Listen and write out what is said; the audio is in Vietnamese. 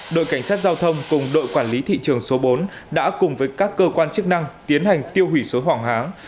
đội cảnh sát giao thông cùng đội quản lý thị trường số bốn đã cùng với các cơ quan chức năng tiến hành tiêu hủy số hoàng hán